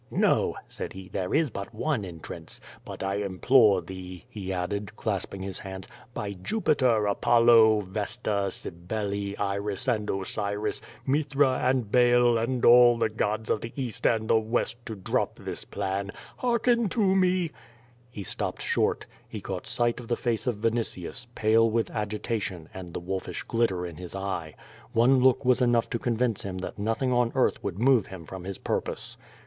"No," said he; "there is but one entrance. But I implore thee," he added, clasping his hands, "by Jupiter, Apollo, Vt»sta, Cybele, Iris and Osiris, Hithra and Baal, and all the gods of the East and the West, to drop this plan. Hearken to nic —" He slopped short. Ho caught sight of the face of Vinitius, pale with agitation, and the wolfish glitter in his eye. One look was enough to convince him that nothing on earth would move him from his purpose.